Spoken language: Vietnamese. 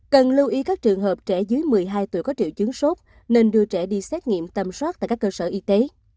cần lưu ý các trường hợp trẻ dưới một mươi hai tuổi có triệu chứng sốt nên đưa trẻ đi xét nghiệm tầm soát tại các cơ sở y tế